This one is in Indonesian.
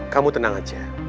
kamu tenang aja